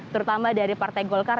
terutama dari partai golkar